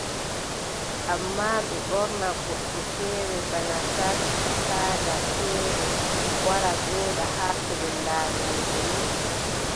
Ammaa ɓe ɓorna goɗɗo feere bana sarki faada feere wara jooɗa haa pellel laamiiɗo ni.